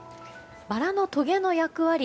バラのとげの役割